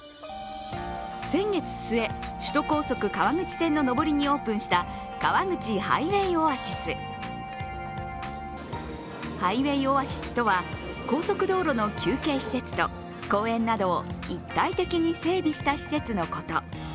先月末、首都高速川口線の上りにオープンした川口ハイウェイオアシス。ハイウェイオアシスとは高速道路の休憩施設と公園などを一体的に整備した施設のこと。